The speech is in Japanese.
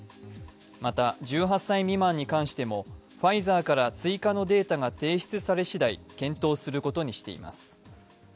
また１８歳未満に関してもファイザーから追加のデータが提出されしだい、検討することにしています